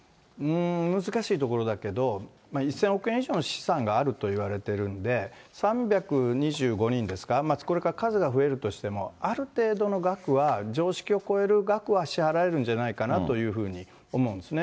難しいところだけど、１０００億円以上の資産があるといわれてるので、３２５人ですか、これから数が増えるとしても、ある程度の額は常識を超える額は支払えるんじゃないかなというふうに思うんですね。